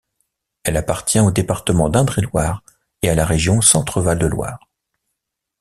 Elle appartient au département d'Indre-et-Loire et à la région Centre-Val de Loire.